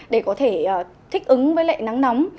để có thể thích ứng với lệ nắng nóng